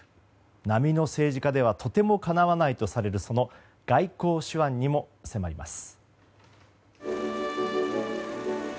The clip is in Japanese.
並の政治家ではとてもかなわないとされるその外交手腕にも迫ります。